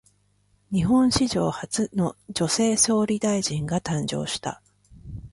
日本史上初の女性総理大臣が誕生した。